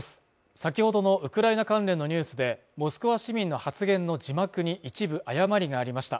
先ほどのウクライナ関連のニュースでモスクワ市民の発言の字幕に一部誤りがありました。